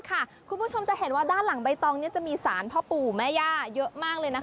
คุณผู้ชมจะเห็นว่าด้านหลังใบตองจะมีสานพ่อปู่แม่ย่าเยอะมากเลยประมาณ๓สารด้วยกันนะคะ